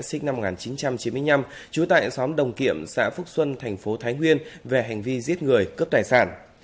sinh năm một nghìn chín trăm chín mươi năm trú tại xóm đồng kiệm xã phúc xuân thành phố thái nguyên về hành vi giết người cướp tài sản